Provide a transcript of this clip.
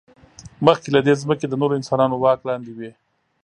مخکې له دې، ځمکې د نورو انسانانو واک لاندې وې.